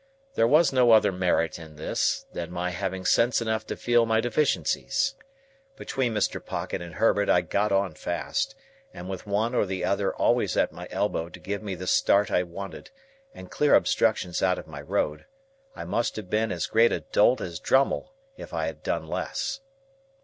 There was no other merit in this, than my having sense enough to feel my deficiencies. Between Mr. Pocket and Herbert I got on fast; and, with one or the other always at my elbow to give me the start I wanted, and clear obstructions out of my road, I must have been as great a dolt as Drummle if I had done less.